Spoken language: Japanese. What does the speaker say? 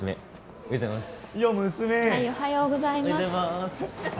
おはようございます。